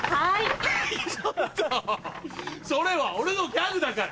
ちょっとそれは俺のギャグだから。